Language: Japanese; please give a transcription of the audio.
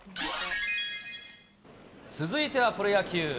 続いてはプロ野球。